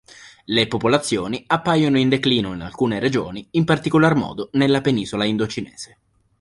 Le popolazioni appaiono in declino in alcune regioni, in particolar modo nella penisola indocinese.